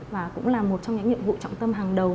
và cũng là một trong những nhiệm vụ trọng tâm hàng đầu